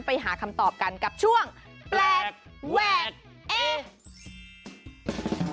ไปหาคำตอบกันกับช่วงแปลกแหวกเอ